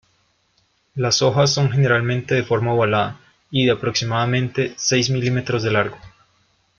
Las hojas son generalmente de forma ovalada y de aproximadamente seis milímetros de largo.